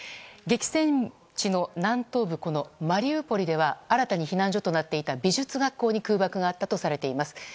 激戦地の南東部マリウポリでは新たに避難所となっていた美術学校に空爆があったとされています。